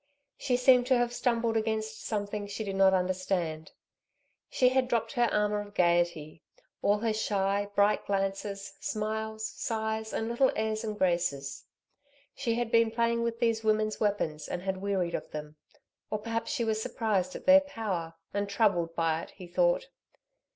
She seemed to have stumbled against something she did not understand. She had dropped her armour of gaiety all her shy, bright glances, smiles, sighs and little airs and graces. She had been playing with these women's weapons and had wearied of them, or perhaps she was surprised at their power, and troubled by it, he thought.